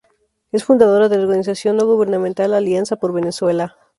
Es fundadora de la organización no gubernamental, Alianza por Venezuela.